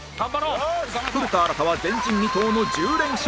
古田新太は前人未到の１０連勝なるか？